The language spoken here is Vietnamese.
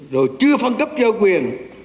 rồi chưa phân cấp cho quyền